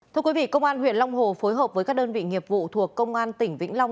thưa quý vị công an huyện long hồ phối hợp với các đơn vị nghiệp vụ thuộc công an tỉnh vĩnh long